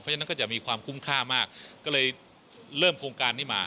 เพราะฉะนั้นก็จะมีความคุ้มค่ามากก็เลยเริ่มโครงการนี้มา